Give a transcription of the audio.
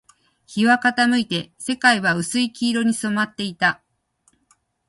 日は傾いて、世界は薄い黄色に染まっていた